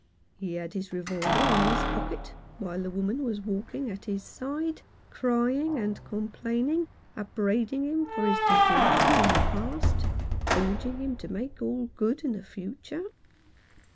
He had his revolver in his pocket while the woman was walking at his side, crying and complaining, upbraiding him for his desertion in the past, urging him to make all good in the future.